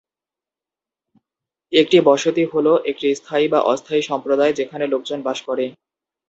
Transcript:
একটি বসতি হল একটি স্থায়ী বা অস্থায়ী সম্প্রদায় যেখানে লোকজন বাস করে।